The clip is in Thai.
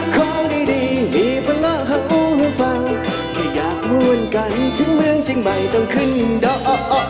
ของดีมีเวลาให้อุ้งให้ฟังแค่อยากมวลกันทั้งเมืองจึงไม่ต้องขึ้นดอก